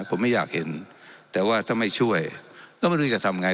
ผมไม่อยากเห็นแต่ว่าถ้าไม่ช่วยก็ไม่รู้จะทำไง